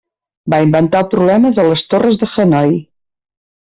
Va inventar el problema de les Torres de Hanoi.